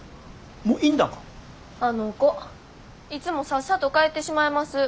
あの子いつもさっさと帰ってしまいます。